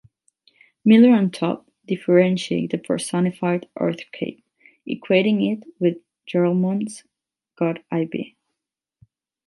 Miller and Taube differentiate a Personified Earth Cave, equating it with Joralmon's God I-B.